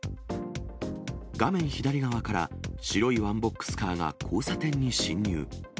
画面左側から、白いワンボックスカーが交差点に進入。